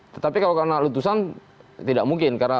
tetapi kalau karena letusan tidak mungkin